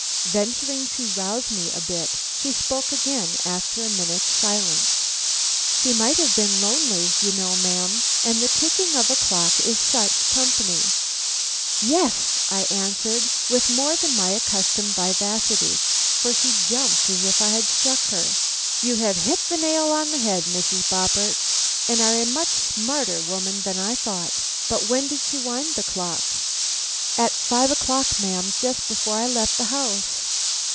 Venturing to rouse me a bit, she spoke again after a minute's silence. "She might have been lonely, you know, ma'am; and the ticking of a clock is such company." "Yes," I answered with more than my accustomed vivacity, for she jumped as if I had struck her. "You have hit the nail on the head, Mrs. Boppert, and are a much smarter woman than I thought. But when did she wind the clock?" "At five o'clock, ma'am; just before I left the house."